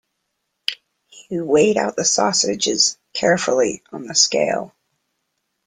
He weighed out the sausages carefully on the scale.